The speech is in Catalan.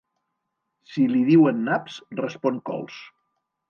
Si li diuen naps, respon cols.